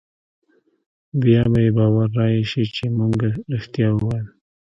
بيا به يې باور رايشي چې مونګه رښتيا ويل.